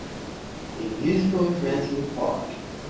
A musical event in the park.